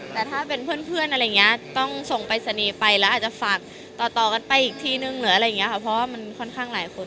แต่ถ้าเป็นเพื่อนต้องส่งไปสนีไปแล้วอาจจะฝากต่อไปอีกทีหนึ่งหรืออะไรเงี้ยค่ะเพราะว่ามันค่อนข้างหลายคน